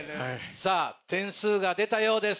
点数が出たようです